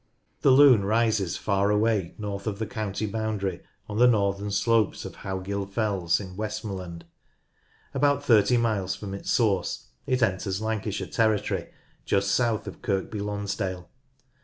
The Lune : view from Aqueduct, Lancaster The Lune rises far away north of the county boundary on the northern slopes of Howgill Fells in Westmorland. About 30 miles from its source it enters Lancashire territory just south of Kirkby Lonsdale.